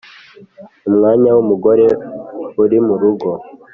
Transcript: umwanya wumugore uri murugo